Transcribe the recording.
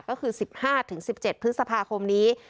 ก็คือ๑๕๑๗พฤษภาคมนี้